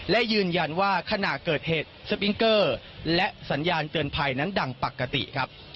และยืนยันว่าขณะเกิดเหตุสปิงเกอร์และสัญญาณเตือนภัยนั้นดังปกติครับ